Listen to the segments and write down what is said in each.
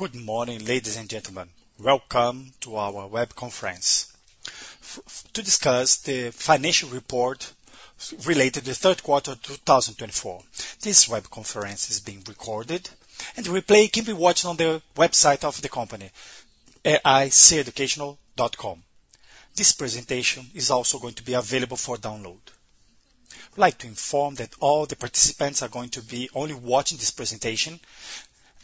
Good morning, ladies and gentlemen. Welcome to our web conference to discuss the financial report related to the third quarter of 2024. This web conference is being recorded, and the replay can be watched on the website of the company, sereducacional.com. This presentation is also going to be available for download. I'd like to inform that all the participants are going to be only watching this presentation,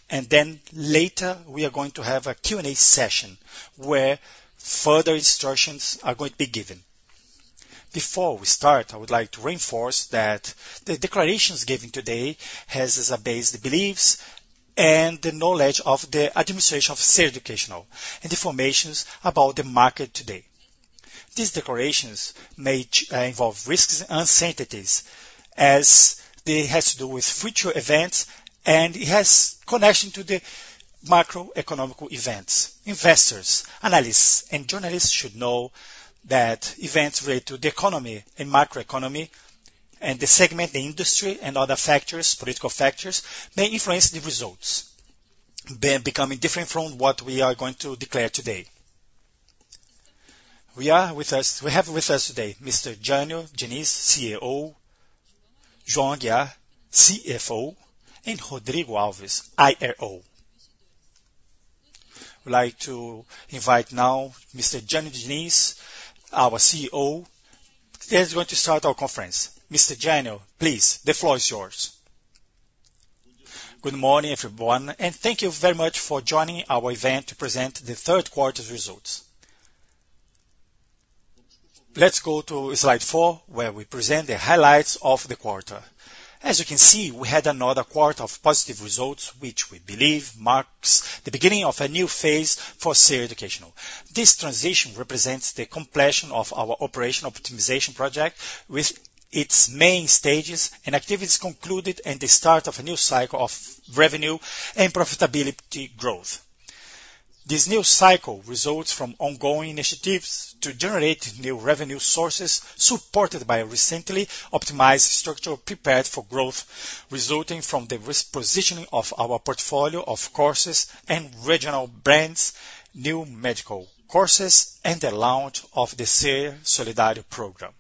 and then later we are going to have a Q&A session where further instructions are going to be given. Before we start, I would like to reinforce that the declarations given today have as a base the beliefs and the knowledge of the administration of Ser Educacional and the information about the market today. These declarations may involve risks and uncertainties, as they have to do with future events, and it has a connection to the macroeconomic events. Investors, analysts, and journalists should know that events related to the economy and macroeconomy, and the segment, the industry, and other factors, political factors, may influence the results, becoming different from what we are going to declare today. We have with us today Mr. Jânyo Diniz, CEO, João Aguiar, CFO, and Rodrigo Alves, IRO. I'd like to invite now Mr. Jânyo Diniz, our CEO. He's going to start our conference. Mr. Jânyo, please, the floor is yours. Good morning, everyone, and thank you very much for joining our event to present the third quarter's results. Let's go to slide four, where we present the highlights of the quarter. As you can see, we had another quarter of positive results, which we believe marks the beginning of a new phase for Ser Educacional. This transition represents the completion of our operational optimization project, with its main stages and activities concluded and the start of a new cycle of revenue and profitability growth. This new cycle results from ongoing initiatives to generate new revenue sources supported by recently optimized structure prepared for growth, resulting from the repositioning of our portfolio of courses and regional brands, new medical courses, and the launch of the Ser Solidarity Program.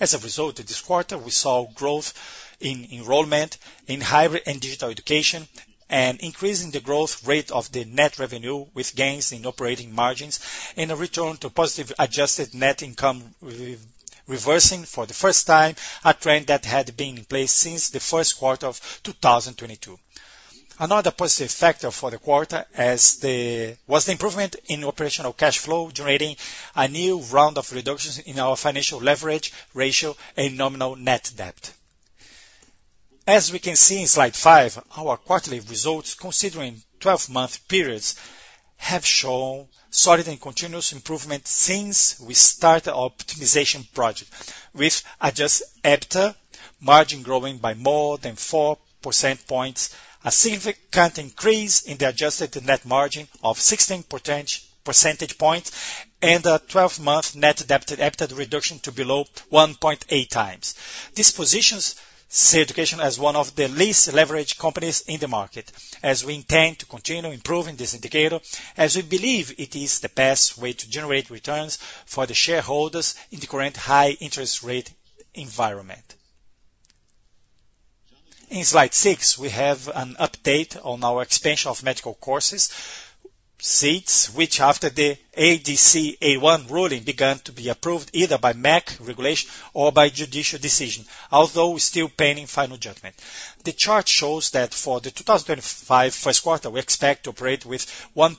As a result, this quarter, we saw growth in enrollment in higher and digital education, an increase in the growth rate of the net revenue, with gains in operating margins, and a return to positive adjusted net income reversing for the first time, a trend that had been in place since the first quarter of 2022. Another positive factor for the quarter was the improvement in operational cash flow, generating a new round of reductions in our financial leverage ratio and nominal net debt. As we can see in slide five, our quarterly results, considering 12-month periods, have shown solid and continuous improvement since we started our optimization project, with adjusted EBITDA margin growing by more than 4 percentage points, a significant increase in the adjusted net margin of 16 percentage points, and a 12-month Net Debt to EBITDA reduction to below 1.8x. This positions Ser Educacional as one of the least leveraged companies in the market, as we intend to continue improving this indicator, as we believe it is the best way to generate returns for the shareholders in the current high-interest rate environment. In slide six, we have an update on our expansion of medical courses seats, which, after the ADC 81 ruling, began to be approved either by MEC regulation or by judicial decision, although we're still pending final judgment. The chart shows that for the 2025 first quarter, we expect to operate with 1,000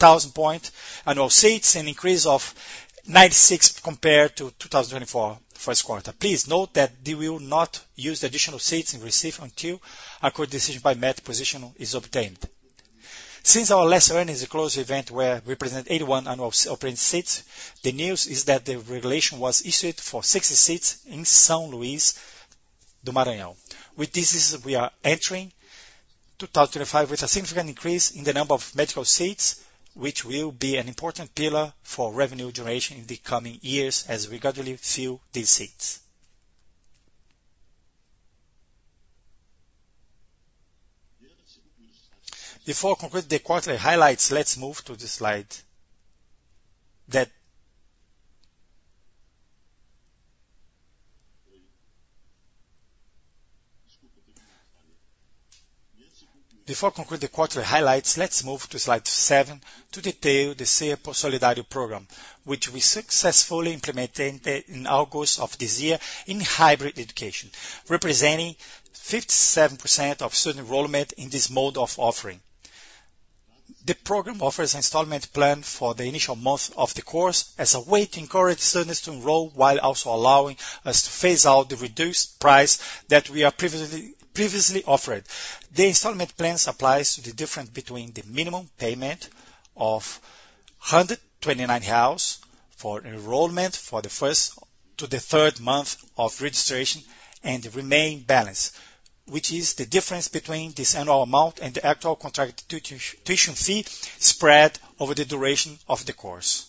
total annual seats and an increase of 96 compared to 2024 first quarter. Please note that we will not use the additional seats we received until a decision by MEC position is obtained. Since our last earnings close event, where we presented 81 annual operating seats, the news is that the regulation was issued for 60 seats in São Luís do Maranhão. With this, we are entering 2025 with a significant increase in the number of medical seats, which will be an important pillar for revenue generation in the coming years, as we gradually fill these seats. Before I conclude the quarterly highlights, let's move to slide seven to detail the Ser Solidarity Program, which we successfully implemented in August of this year in higher education, representing 57% of student enrollment in this mode of offering. The program offers an installment plan for the initial month of the course as a way to encourage students to enroll, while also allowing us to phase out the reduced price that we previously offered. The installment plan applies to the difference between the minimum payment of 129 for enrollment for the first to the third month of registration and the remaining balance, which is the difference between this annual amount and the actual contract tuition fee spread over the duration of the course.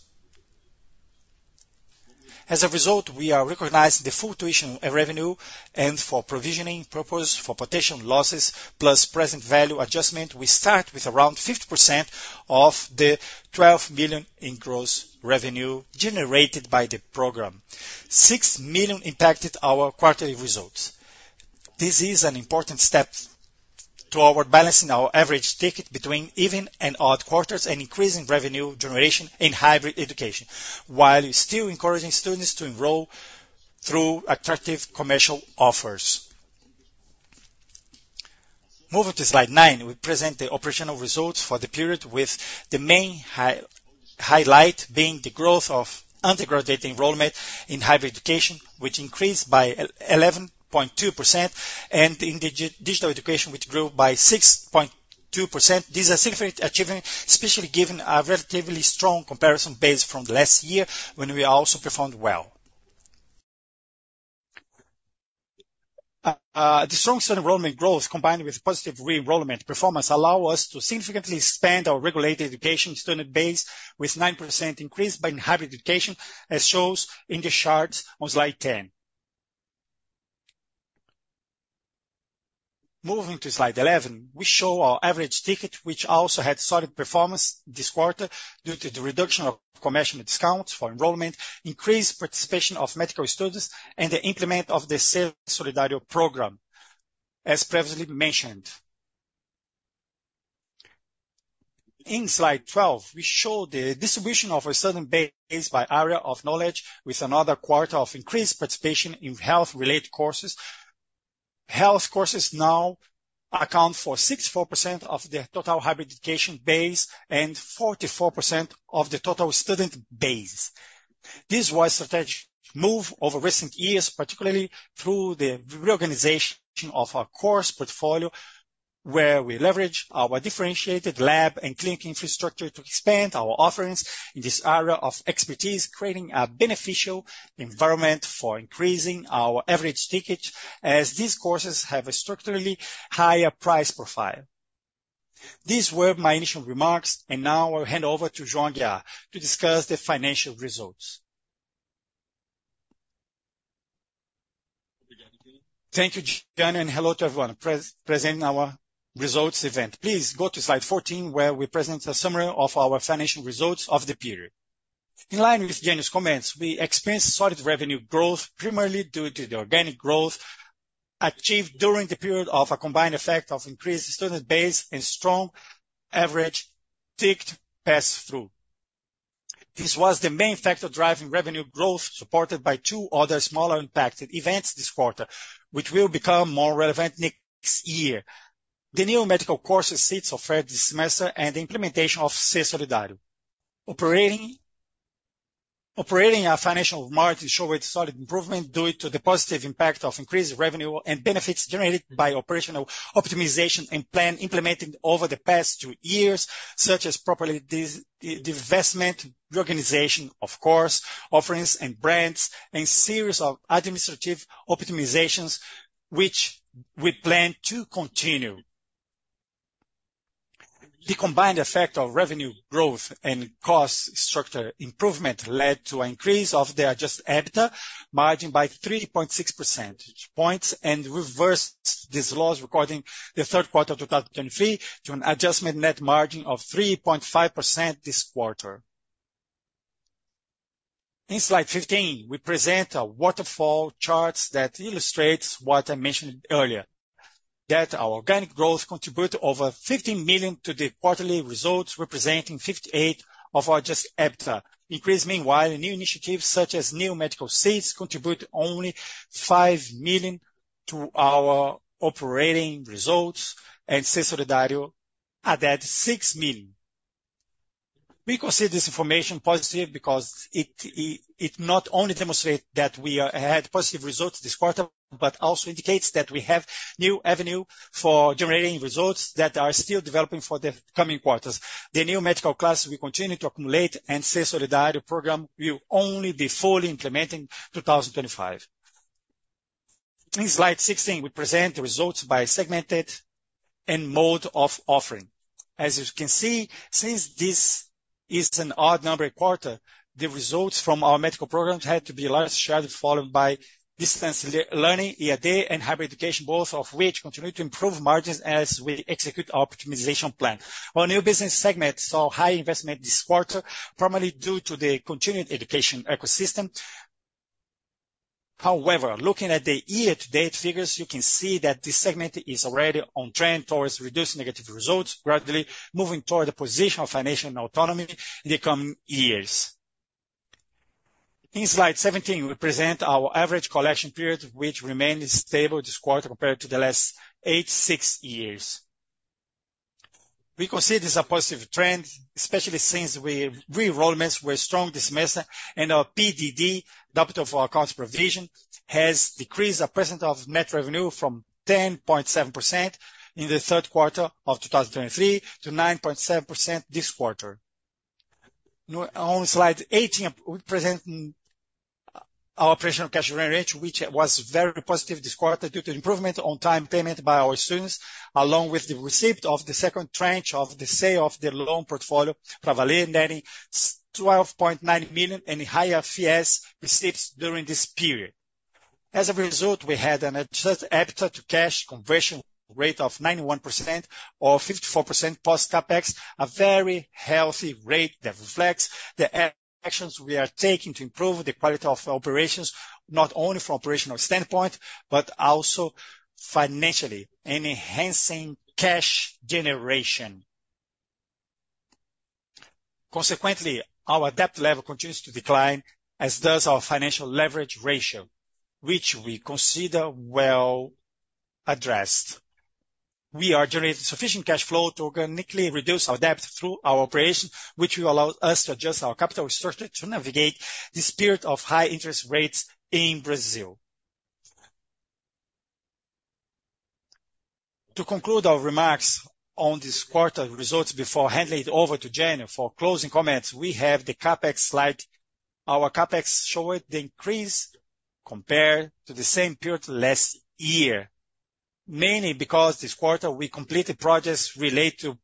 As a result, we are recognizing the full tuition revenue, and for provisioning purposes, for potential losses, plus present value adjustment, we start with around 50% of the 12 million in gross revenue generated by the program, 6 million impacted our quarterly results. This is an important step toward balancing our average ticket between even and odd quarters and increasing revenue generation in higher education, while still encouraging students to enroll through attractive commercial offers. Moving to slide nine, we present the operational results for the period, with the main highlight being the growth of undergraduate enrollment in higher education, which increased by 11.2%, and in digital education, which grew by 6.2%. This is a significant achievement, especially given a relatively strong comparison base from the last year when we also performed well. The strong student enrollment growth, combined with positive re-enrollment performance, allows us to significantly expand our regulated education student base with a 9% increase in higher education, as shown in the charts on slide 10. Moving to slide 11, we show our average ticket, which also had solid performance this quarter due to the reduction of commercial discounts for enrollment, increased participation of medical students, and the implementation of the Ser Solidarity Program, as previously mentioned. In slide 12, we show the distribution of a student base by area of knowledge, with another quarter of increased participation in health-related courses. Health courses now account for 64% of the total higher education base and 44% of the total student base. This was a strategic move over recent years, particularly through the reorganization of our course portfolio, where we leverage our differentiated lab and clinical infrastructure to expand our offerings in this area of expertise, creating a beneficial environment for increasing our average ticket, as these courses have a structurally higher price profile. These were my initial remarks, and now I'll hand over to João Aguiar to discuss the financial results. Thank you, Jânyo, and hello to everyone presenting our results event. Please go to slide 14, where we present a summary of our financial results of the period. In line with Jânyo's comments, we experienced solid revenue growth, primarily due to the organic growth achieved during the period of a combined effect of increased student base and strong average ticket pass-through. This was the main factor driving revenue growth, supported by two other smaller impacting events this quarter, which will become more relevant next year, the new medical course seats offered this semester and the implementation of Ser Solidarity. Our operating financial margins showed solid improvement due to the positive impact of increased revenue and benefits generated by operational optimization and plan implemented over the past two years, such as property divestment, reorganization of course offerings and brands, and a series of administrative optimizations, which we plan to continue. The combined effect of revenue growth and cost structure improvement led to an increase of the adjusted EBITDA margin by 3.6 percentage points and reversed the loss, recording the third quarter of 2023 to an adjusted net margin of 3.5% this quarter. In slide 15, we present a waterfall chart that illustrates what I mentioned earlier, that our organic growth contributed over 15 million to the quarterly results, representing 58% of our adjusted EBITDA. The increase, meanwhile, in new initiatives, such as new medical seats, contributed only R$5 million to our operating results, and Ser Solidarity added 6 million. We consider this information positive because it not only demonstrates that we had positive results this quarter, but also indicates that we have new avenues for generating results that are still developing for the coming quarters. The new medical seats we continue to accumulate, and Ser Solidarity Program will only be fully implemented in 2025. In slide 16, we present the results by segment and mode of offering. As you can see, since this is an odd number quarter, the results from our medical programs had a large share, followed by distance learning, EAD, and higher education, both of which continue to improve margins as we execute our optimization plan. Our new business segment saw high investment this quarter, primarily due to the continuing education ecosystem. However, looking at the year-to-date figures, you can see that this segment is already on trend towards reducing negative results, gradually moving toward a position of financial autonomy in the coming years. In slide 17, we present our average collection period, which remained stable this quarter compared to the last eight, six years. We consider this a positive trend, especially since re-enrollments were strong this semester, and our PDD, adapted for accounts provision, has decreased the percent of net revenue from 10.7% in the third quarter of 2023 to 9.7% this quarter. On slide 18, we present our operational cash revenue range, which was very positive this quarter due to improvement on-time payment by our students, along with the receipt of the second tranche of the sale of the loan portfolio, totaling 12.9 million and higher fees received during this period. As a result, we had an adjusted EBITDA to cash conversion rate of 91% or 54% post-CapEx, a very healthy rate that reflects the actions we are taking to improve the quality of operations, not only from an operational standpoint, but also financially, and enhancing cash generation. Consequently, our debt level continues to decline, as does our financial leverage ratio, which we consider well addressed. We are generating sufficient cash flow to organically reduce our debt through our operation, which will allow us to adjust our capital structure to navigate the period of high interest rates in Brazil. To conclude our remarks on this quarter results before handing it over to Jânyo for closing comments, we have the CapEx slide. Our CapEx showed the increase compared to the same period last year, mainly because this quarter we completed projects related to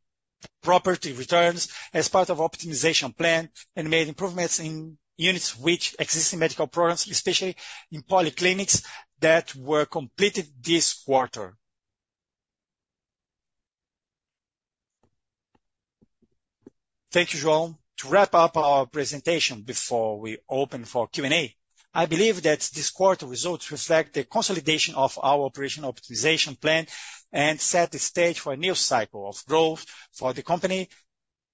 property returns as part of the optimization plan and made improvements in units with existing medical programs, especially in polyclinics that were completed this quarter. Thank you, João. To wrap up our presentation before we open for Q&A, I believe that this quarter results reflect the consolidation of our operational optimization plan and set the stage for a new cycle of growth for the company,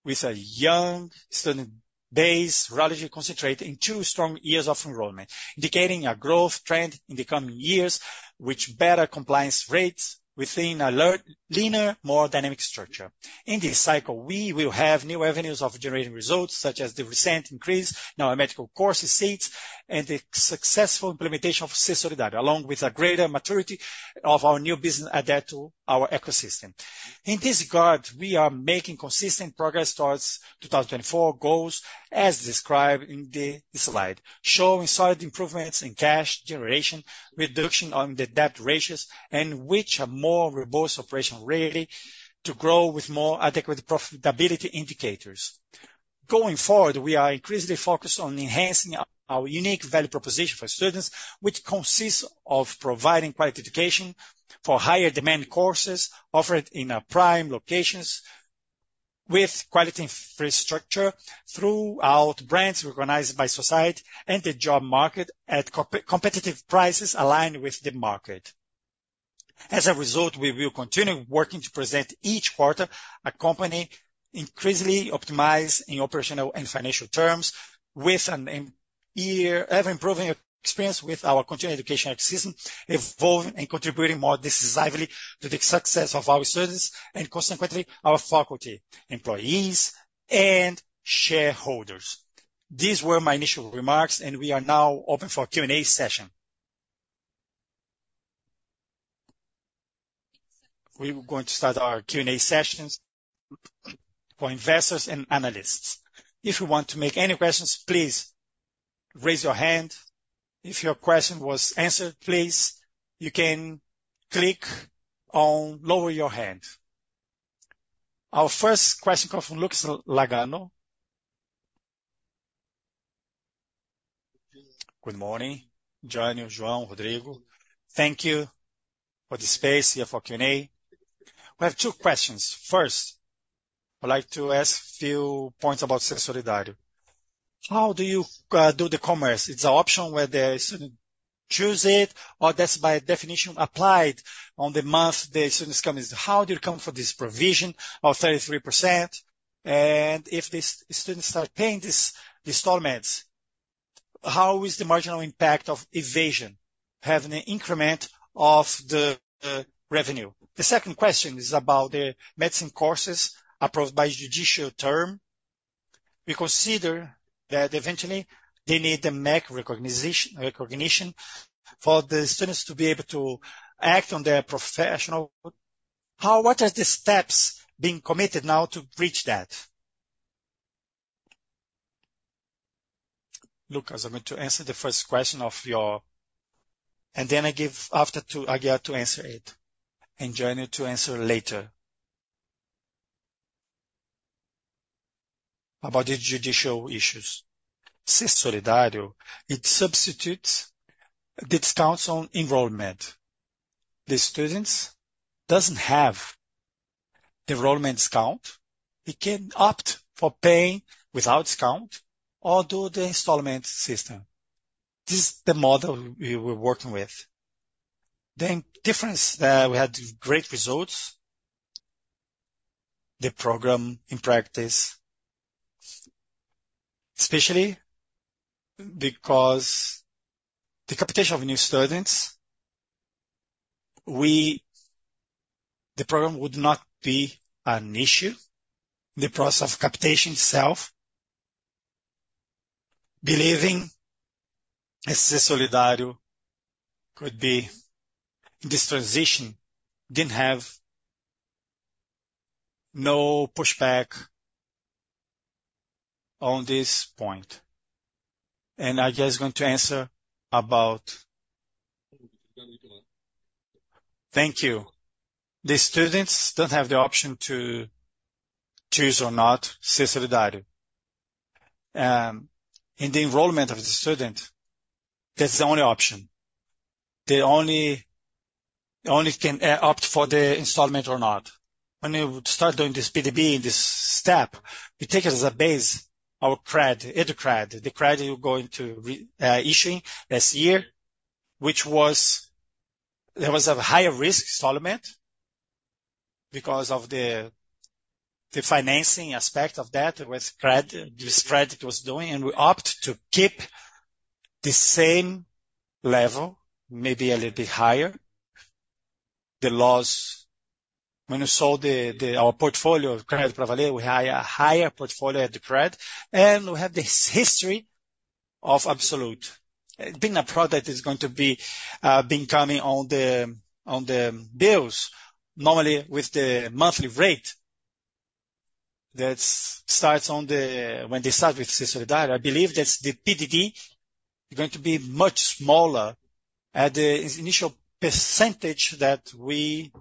with a young student base relatively concentrated in two strong years of enrollment, indicating a growth trend in the coming years, which better compliance rates within a leaner, more dynamic structure. In this cycle, we will have new avenues of generating results, such as the recent increase in our medical course seats and the successful implementation of Ser Solidarity, along with a greater maturity of our new business adapted to our ecosystem. In this regard, we are making consistent progress towards 2024 goals, as described in this slide, showing solid improvements in cash generation, reduction on the debt ratios, and which are more robust operationally to grow with more adequate profitability indicators. Going forward, we are increasingly focused on enhancing our unique value proposition for students, which consists of providing quality education for higher demand courses offered in prime locations with quality infrastructure throughout brands recognized by society and the job market at competitive prices aligned with the market. As a result, we will continue working to present each quarter a company increasingly optimized in operational and financial terms, with an ever-improving experience with our continued education system, evolving and contributing more decisively to the success of our students and, consequently, our faculty, employees, and shareholders. These were my initial remarks, and we are now open for a Q&A session. We're going to start our Q&A sessions for investors and analysts. If you want to make any questions, please raise your hand. If your question was answered, please, you can click on lower your hand. Our first question comes from Lucas Nagano. Good morning, Jânyo, João, Rodrigo. Thank you for the space here for Q&A. We have two questions. First, I'd like to ask a few points about Ser Solidarity. How do you do the commerce? It's an option where the student chooses it, or that's by definition applied on the month the student is coming. How do you account for this provision of 33%? And if the students start paying these installments, how is the marginal impact of evasion having an increment of the revenue? The second question is about the medicine courses approved by judicial term. We consider that eventually they need the MEC recognition for the students to be able to act on their professional. What are the steps being committed now to reach that? Lucas, I'm going to answer the first question of your. And then I give after to Aguiar to answer it, and Jânyo to answer later about the judicial issues. Ser Solidarity, it substitutes discounts on enrollment. The students don't have the enrollment discount. They can opt for paying without discount or do the installment system. This is the model we were working with. The difference that we had great results, the program in practice, especially because the capitation of new students, the program would not be an issue in the process of capitation itself. Believing that Ser Solidarity could be in this transition, didn't have no pushback on this point. And Aguiar is going to answer about. Thank you. The students don't have the option to choose or not Ser Solidarity. In the enrollment of the student, that's the only option. They only can opt for the installment or not. When you start doing this PDD in this step, we take it as a base, our cred, EduCred. The credit you're going to issue last year, which was a higher risk installment because of the financing aspect of that with credit, this credit was doing, and we opt to keep the same level, maybe a little bit higher. The loss, when we saw our portfolio of credit provided, we had a higher portfolio at the credit, and we have this history of absolute. Being a product is going to be becoming on the bills, normally with the monthly rate that starts on the when they start with Ser Solidarity. I believe that's the PDD going to be much smaller at the initial percentage that we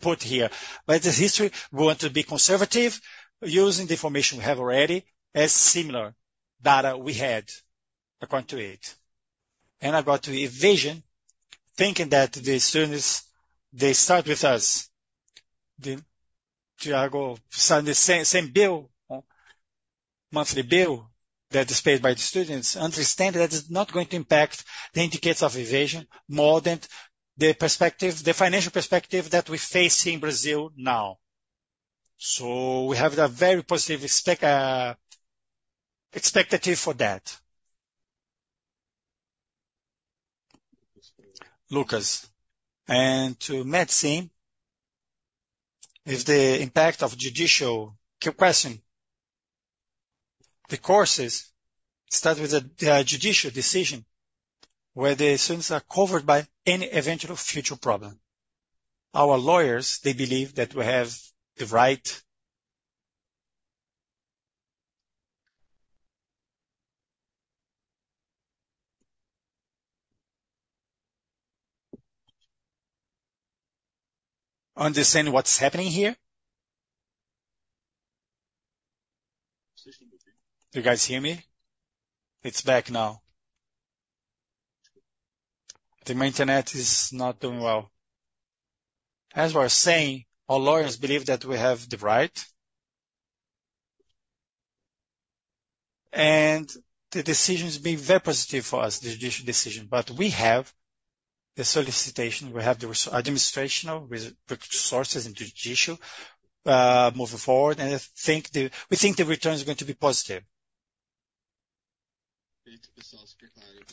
put here. But the history, we want to be conservative, using the information we have already as similar data we had according to it. And I got to evasion, thinking that the students, they start with us. Do I go sign the same bill, monthly bill that is paid by the students? Understanding that it's not going to impact the indicators of evasion more than the perspective, the financial perspective that we face in Brazil now. So we have a very positive expectation for that. Lucas, and to medicine, if the impact of judicial question, the courses start with a judicial decision where the students are covered by any eventual future problem. Our lawyers, they believe that we have the right. Understanding what's happening here? Do you guys hear me? It's back now. The main internet is not doing well. As we're saying, our lawyers believe that we have the right. The decision is being very positive for us, the judicial decision. We have the solicitation. We have the administration of resources into judicial moving forward. I think we think the return is going to be positive.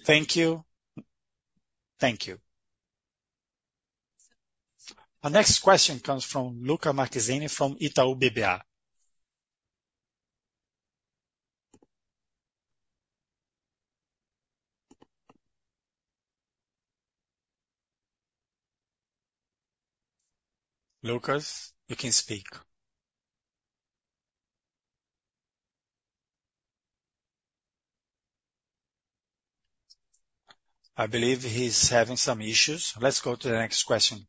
Thank you. Thank you. Our next question comes from Lucca Marquezini from Itaú BBA. Lucas, you can speak. I believe he's having some issues. Let's go to the next question.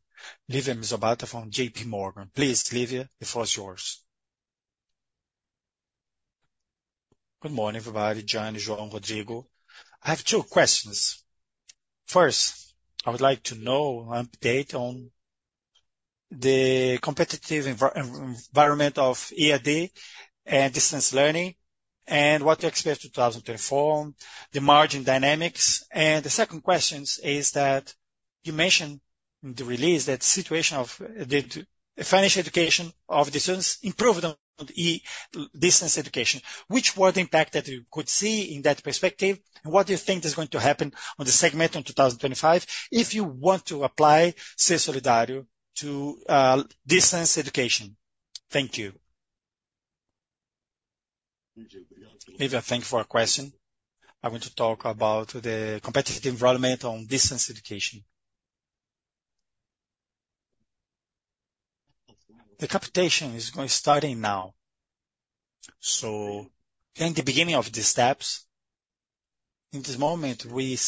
Lívia Mezzabarba from JP Morgan. Please, Lívia, the floor is yours. Good morning, everybody. John, João, Rodrigo. I have two questions. First, I would like to know an update on the competitive environment of EAD and distance learning, and what to expect in 2024, the margin dynamics. The second question is that you mentioned in the release that the situation of the financial education of the students improved on the distance education. Which were the impact that you could see in that perspective? And what do you think is going to happen on the segment in 2025 if you want to apply Ser Solidarity to distance education? Thank you. Lívia, thank you for your question. I want to talk about the competitive environment on distance education. The capitation is going to start now. So in the beginning of the steps, in this moment, it's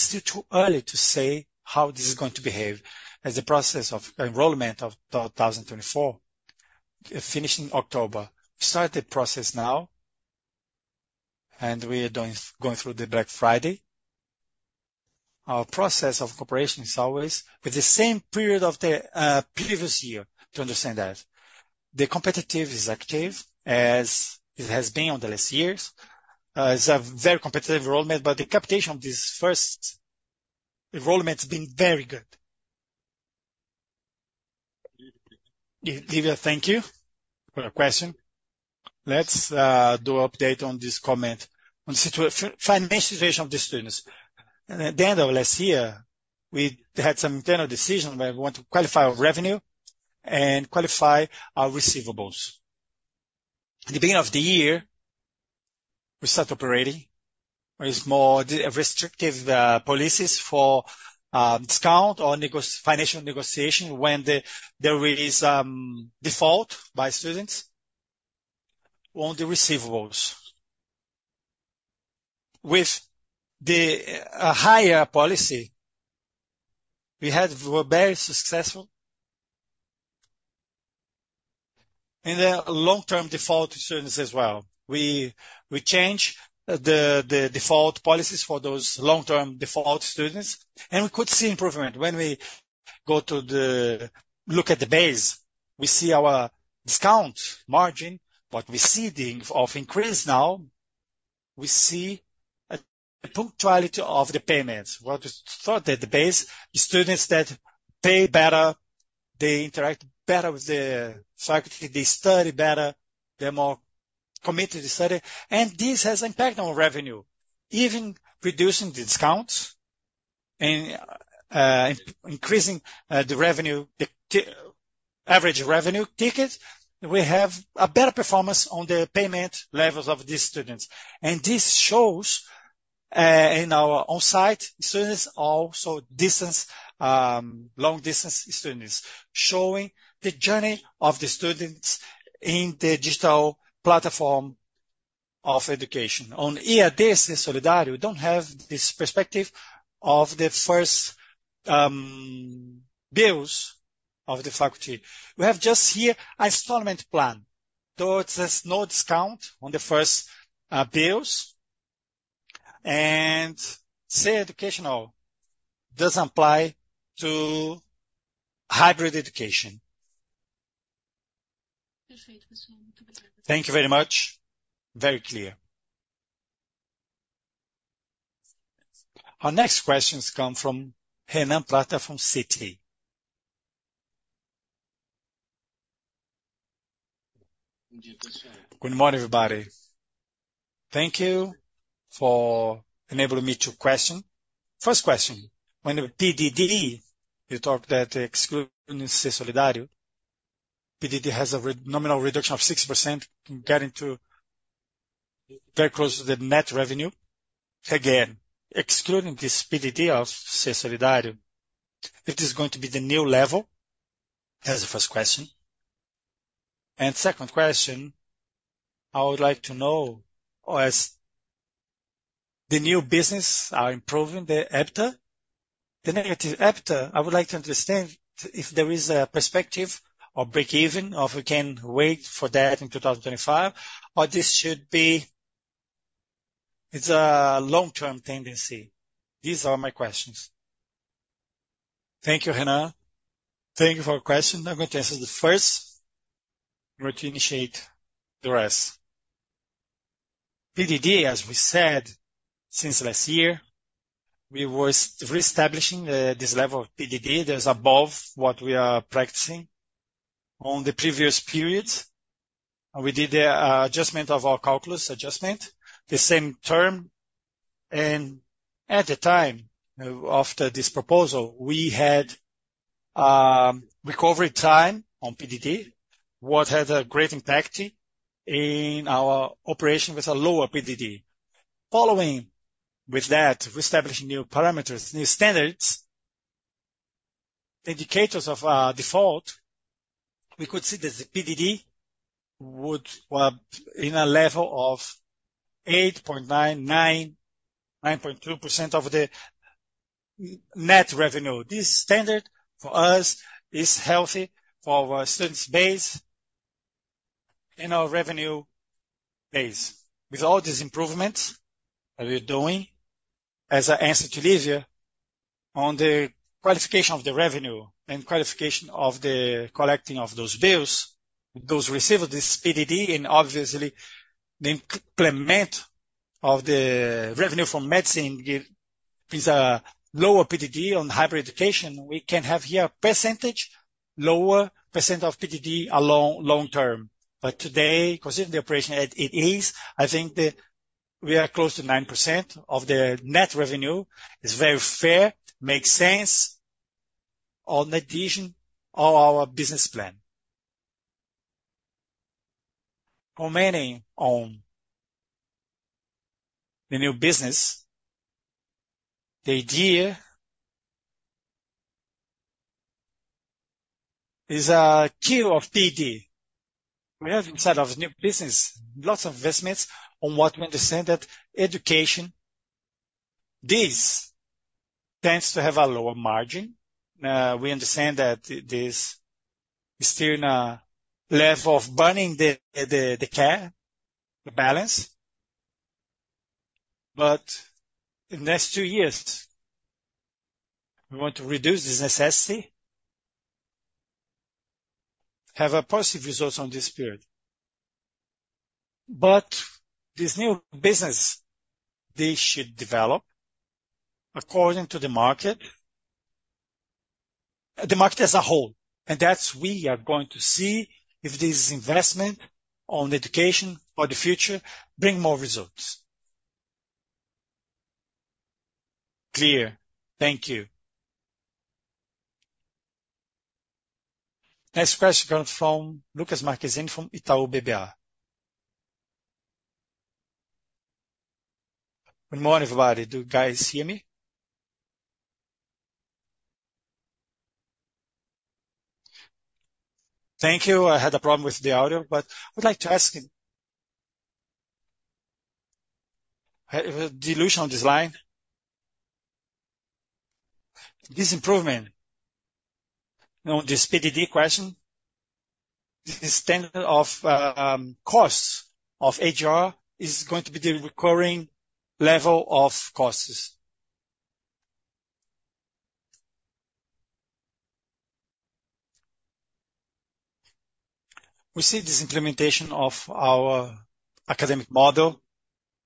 still too early to say how this is going to behave as the process of enrollment of 2024, finishing October. We start the process now, and we are going through the Black Friday. Our process of capitation is always with the same period of the previous year, to understand that. The competition is active as it has been in the last years. It's a very competitive enrollment, but the capitation of this first enrollment has been very good. Lívia, thank you for your question. Let's do an update on this comment on the financial situation of the students. At the end of last year, we had some internal decision where we want to qualify our revenue and qualify our receivables. At the beginning of the year, we start operating with more restrictive policies for discount or financial negotiation when there is default by students on the receivables. With the higher policy, we had very successful and the long-term default students as well. We changed the default policies for those long-term default students, and we could see improvement. When we go to look at the base, we see our discount margin, but we see the increase now. We see a punctuality of the payments. What we thought at the base, students that pay better, they interact better with the faculty, they study better, they're more committed to study. This has impacted our revenue. Even reducing the discounts and increasing the revenue, the average revenue ticket, we have a better performance on the payment levels of these students. This shows in our on-site students, also distance, long-distance students, showing the journey of the students in the digital platform of education. On EAD, Ser Solidarity, we don't have this perspective of the first bills of the faculty. We have just here an installment plan. There's no discount on the first bills. Ser Educacional doesn't apply to hybrid education. Thank you very much. Very clear. Our next questions come from Hernan Latorre. Good morning, everybody. Thank you for enabling me to question. First question. When the PDD, you talk that excluding Ser Solidarity, PDD has a nominal reduction of 6%, getting to very close to the net revenue. Again, excluding this PDD of Ser Solidarity, if this is going to be the new level, that's the first question, and second question, I would like to know, as the new business are improving the EBITDA, the negative EBITDA, I would like to understand if there is a perspective of break-even, or if we can wait for that in 2025, or this should be a long-term tendency. These are my questions. Thank you, Hernan. Thank you for your question. I'm going to answer the first. I'm going to initiate the rest. PDD, as we said since last year, we were reestablishing this level of PDD. There's above what we are practicing on the previous periods. We did an adjustment of our calculus adjustment, the same term. At the time of this proposal, we had recovery time on PDD, what had a great impact in our operation with a lower PDD. Following with that, we established new parameters, new standards, indicators of default. We could see that the PDD would be in a level of 8.99%-9.2% of the net revenue. This standard for us is healthy for our students' base and our revenue base. With all these improvements that we're doing, as I answered to Lívia, on the qualification of the revenue and qualification of the collecting of those bills, those receivables, this PDD, and obviously, the implement of the revenue from medicine is a lower PDD on hybrid education. We can have here a percentage, lower % of PDD along long term. But today, considering the operation it is, I think we are close to 9% of the net revenue. It's very fair, makes sense on the addition of our business plan. Commenting on the new business, the idea is accrual of PDD. We have inside the new business, lots of investments on what we understand that education, distance to have a lower margin. We understand that there's still a level of burning cash, the balance. But in the next two years, we want to reduce this necessity, have a positive result on this period. But this new business, they should develop according to the market, the market as a whole. And that's what we are going to see if this investment on education for the future brings more results. Clear. Thank you. Next question comes from Lucca Marquezini from Itaú BBA. Good morning, everybody. Do you guys hear me? Thank you. I had a problem with the audio, but I would like to ask you a question on this line. This improvement on this PDD question, this standard of costs of HR is going to be the recurring level of costs. We see this implementation of our academic model.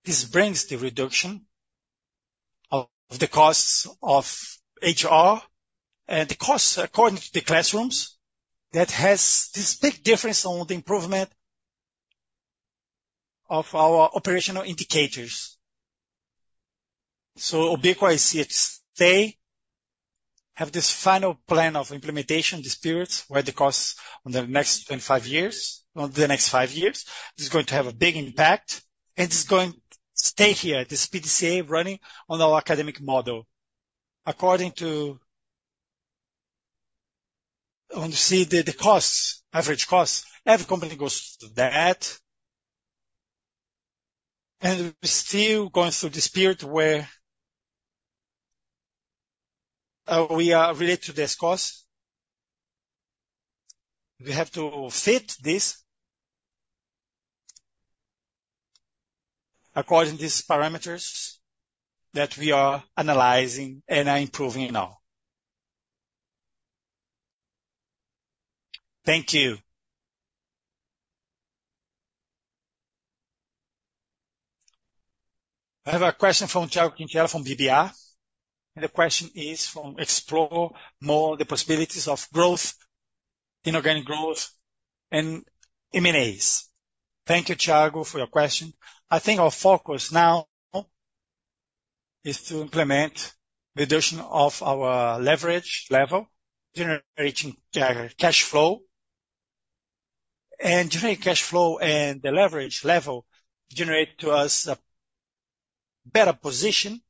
This brings the reduction of the costs of HR and the costs of the classrooms. That has this big difference on the improvement of our operational indicators, so Ubíqua stays, have this final plan of implementation, this period where the costs over the next 25 years, over the next five years, is going to have a big impact. And it's going to stay here, this PDCA running on our academic model. According to that, when you see the costs, average costs, every company goes to that, and we're still going through this period where we are related to this cost. We have to fit this according to these parameters that we are analyzing and are improving now. Thank you. I have a question from Thiago Quintella from Itaú BBA. And the question is exploring the possibilities of growth, inorganic growth, and M&As. Thank you, Thiago, for your question. I think our focus now is to implement reduction of our leverage level, generating cash flow. And generating cash flow and the leverage level generates to us a better position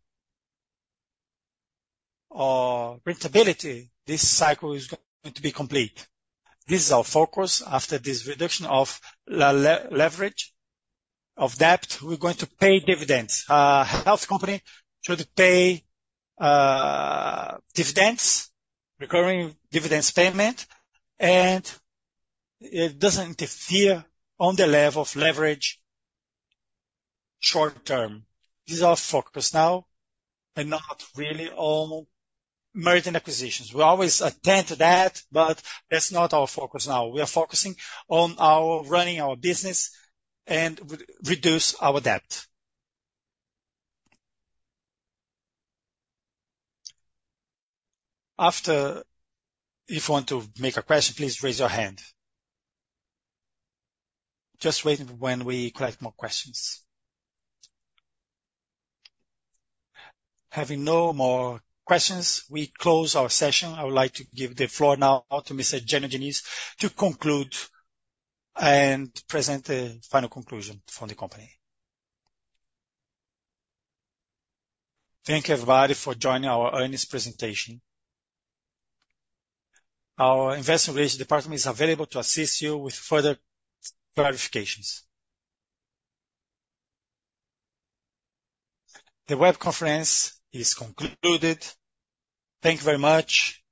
or rentability. This cycle is going to be complete. This is our focus after this reduction of leverage, of debt. We're going to pay dividends. A health company should pay dividends, recurring dividends payment, and it doesn't interfere on the level of leverage short term. This is our focus now and not really on mergers and acquisitions. We always attend to that, but that's not our focus now. We are focusing on running our business and reduce our debt. If you want to make a question, please raise your hand. Just waiting for when we collect more questions. Having no more questions, we close our session. I would like to give the floor now to Mr. Jânyo Diniz to conclude and present the final conclusion from the company. Thank you, everybody, for joining our earnings presentation. Our Investor Relations department is available to assist you with further clarifications. The web conference is concluded. Thank you very much.